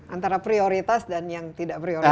antara prioritas dan yang tidak prioritas